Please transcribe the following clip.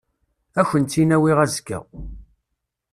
Ad akent-tt-in-awiɣ azekka.